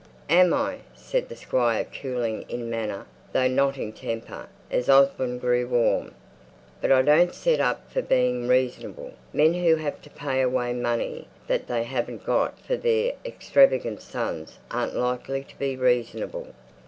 "Am I?" said the Squire cooling in manner, though not in temper, as Osborne grew warm. "But I don't set up for being reasonable; men who have to pay away money that they haven't got for their extravagant sons aren't likely to be reasonable.